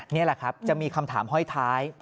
นี่แหละครับจะมีคำถามห้อยท้าย